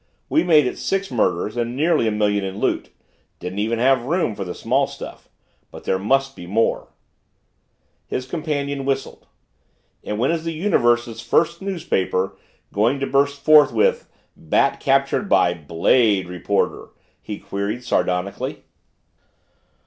We made it six murders and nearly a million in loot didn't even have room for the small stuff but there must be more " His companion whistled. "And when is the Universe's Finest Newspaper going to burst forth with 'Bat Captured by BLADE Reporter?'" he queried sardonically.